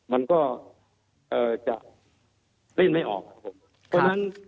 มันก็เอ่อจะเล่นไม่ออกครับผมเพราะฉะนั้น